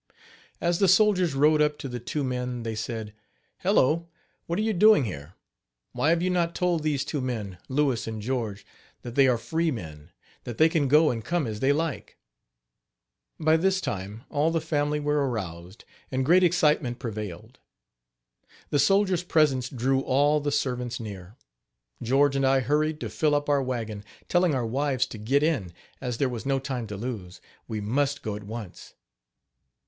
As the soldiers rode up to the two men they said: "Hello! what are you doing here? Why have you not told these two men, Louis and George, that they are free men that they can go and come as they like?" By this time all the family were aroused, and great excitement prevailed. The soldier's presence drew all the servants near. George and I hurried to fill up our wagon, telling our wives to get in, as there was no time to lose we must go at once.